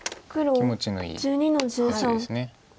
気持ちのいいヨセです。